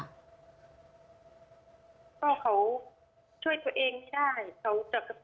ก็เขาช่วยตัวเองไม่ได้